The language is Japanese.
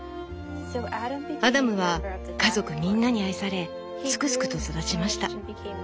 「アダムは家族みんなに愛されすくすくと育ちました。